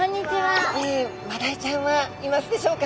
マダイちゃんはいますでしょうか？